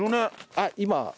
あっ今。